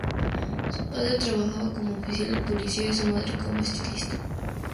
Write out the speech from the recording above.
Su padre trabajaba como oficial de policía y su madre como estilista.